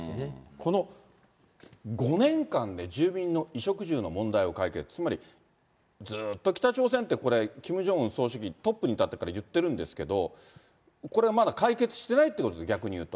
この５年間で住民の衣食住の問題を解決、つまりずっと北朝鮮ってこれ、キム・ジョンウン総書記、トップに立ってから言ってるんですけど、これまだ解決してないということで、逆にいうと。